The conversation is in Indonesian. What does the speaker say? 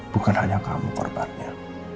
bukan hanya kamu korbannya